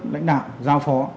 lãnh đạo giao phó